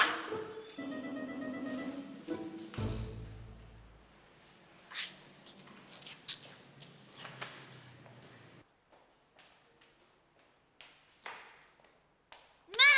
jam tuh baru bener